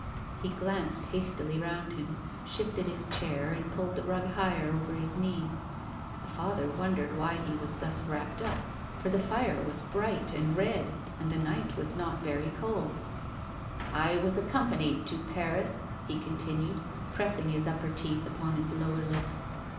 He glanced hastily round him, .shifted his chai and pulled the rug higher over liis knees. The I'ather wondered why he was thus wrapped up. r 334 TONGUES OF CONSCIENCE. For the fire was bright and red and the night was not very cold. " I was accompanied to Paris," he continued, pressing his upper teeth upon his lower lip.